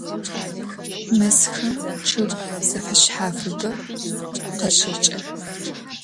Mezxem ççıg zefeşshafıbe khaşeç'ı.